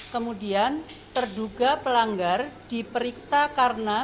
kemudian terduga pelanggar diperiksa karena